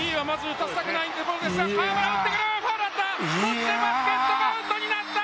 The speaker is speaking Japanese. とってバスケットカウントになった！